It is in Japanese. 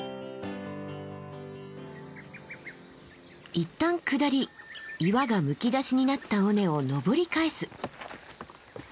いったん下り岩がむき出しになった尾根を登り返す。